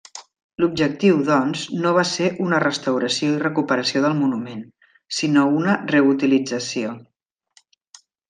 L'objectiu, doncs, no va ser una restauració i recuperació del monument, sinó una reutilització.